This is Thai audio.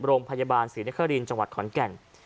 โรงพยาบาลศรีนครินทร์จังหวัดขอนแก่น